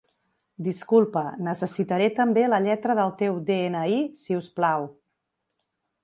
Disculpa, necessitaré també la lletra del teu de-ena-i, si us plau.